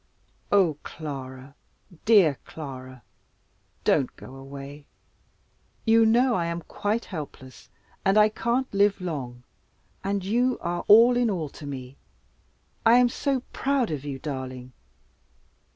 Oh, Clara! dear Clara! don't go away! You know I am quite helpless, and I can't live long, and you are all in all to me, and I am so proud of you, darling!